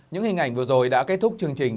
những hình ảnh vừa rồi đã kết thúc chương trình